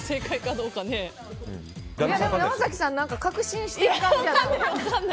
でも山崎さん、確信してる感じ。